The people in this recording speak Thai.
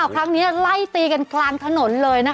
ครั้งนี้ไล่ตีกันกลางถนนเลยนะคะ